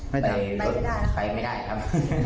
ไปรถไม่ได้ครับ